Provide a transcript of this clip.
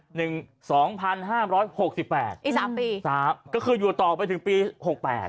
หนึ่งสองพันห้ามร้อยหกสิบแปดอีกสามปีสามก็คืออยู่ต่อไปถึงปีหกแปด